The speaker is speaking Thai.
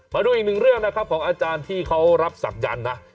มาดูอีกหนึ่งเรื่องนะครับของอาจารย์ที่เขารับศักยันต์นะ